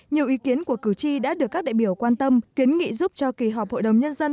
nhiều ý kiến của cử tri đã được các đại biểu quan tâm kiến nghị giúp cho kỳ họp hội đồng nhân dân